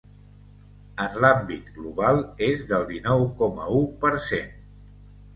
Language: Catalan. En l’àmbit global, és del dinou coma u per cent.